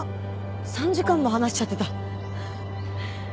３時間も話しちゃってた。